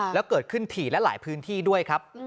แล้วเกิดขึ้นถี่และหลายพื้นที่ด้วยครับ